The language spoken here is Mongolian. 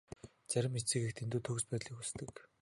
Зарим эцэг эх дэндүү төгс байдлыг хүсдэг.